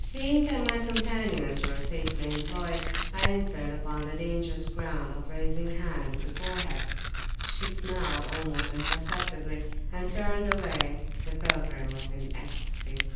Seeing that my companions were safely employed, I entered upon the dangerous ground of raising hand to forehead. She smiled almost imperceptibly, and turned away. The pilgrim was in ecstasy.